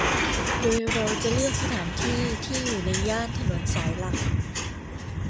โดยเราจะเลือกสถานที่ที่อยู่ในย่านถนนสายหลัก